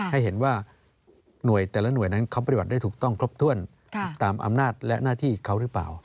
ให้เห็นว่าหน่วยแต่ละหน่วยนั้นเขาปฏิบัติได้ถูกต้องครบถ้วนตามอำนาจและหน้าที่เขาหรือเปล่า